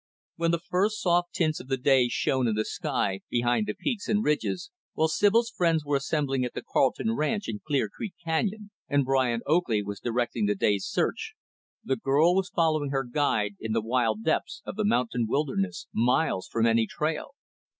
When the first soft tints of the day shone in the sky behind the peaks and ridges, while Sibyl's friends were assembling at the Carleton Ranch in Clear Creek Canyon, and Brian Oakley was directing the day's search, the girl was following her guide in the wild depths of the mountain wilderness, miles from any trail.